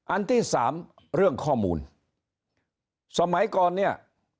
อันที่สามเรื่องข้อมูลสมัยก่อนเนี่ย